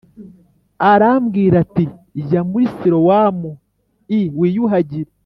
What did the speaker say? arambwira ati jya muri Silowamu l wiyuhagire